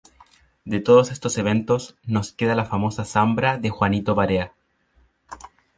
De todos estos eventos, nos queda la famosa zambra de Juanito Varea...